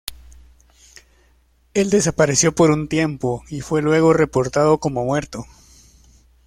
El desapareció por un tiempo y fue luego reportado como muerto.